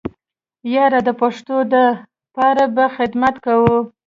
ياره د پښتو د پاره به خدمت کوو.